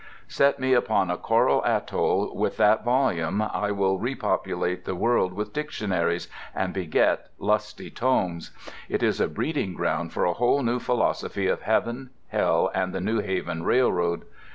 Set me upon a coral atoll with that volume, I will repopulate the world with dictionaries, and beget lusty tomes. It is a breeding ground for a whole new philosophy of heaven, hell, and the New Haven Railroad.